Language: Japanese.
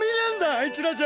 あいつらじゃ。